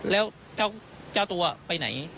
แล้วเจ้าตัวไปไหน